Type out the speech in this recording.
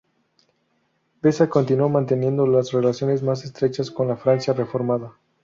Beza continuó manteniendo las relaciones más estrechas con la Francia reformada.